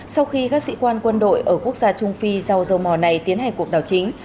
sau khi các sĩ quan quân đội ở quốc gia trung phi giao dầu mò này tiến hành cuộc đảo chính